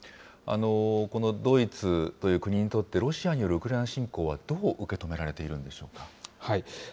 このドイツという国にとって、ロシアによるウクライナ侵攻は、どう受け止められているんでしょうか。